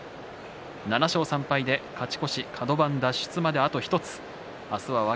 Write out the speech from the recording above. ７勝３敗で勝ち越しカド番脱出まであと１つ。